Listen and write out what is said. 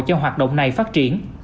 cho hoạt động này phát triển